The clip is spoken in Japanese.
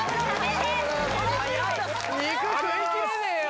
肉食いきれねえよ！